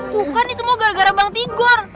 bukan nih semua gara gara bang tigor